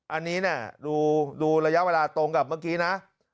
อันนี้ดูระยะเวลาตรงกับเมื่อกี้นะ